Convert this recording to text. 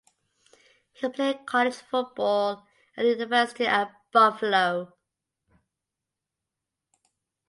He played college football at the University at Buffalo.